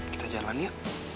kita jalan ya